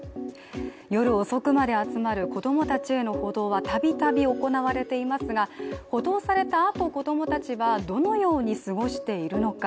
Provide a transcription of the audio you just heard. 夜遅くまで集まる子供たちへの補導は度々行われていますが補導されたあと、子供たちはどのように過ごしているのか。